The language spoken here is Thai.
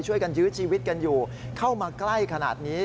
ยื้อชีวิตกันอยู่เข้ามาใกล้ขนาดนี้